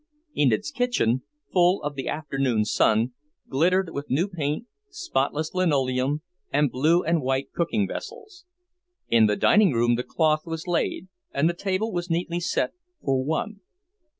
Enid's kitchen, full of the afternoon sun, glittered with new paint, spotless linoleum, and blue and white cooking vessels. In the dining room the cloth was laid, and the table was neatly set for one.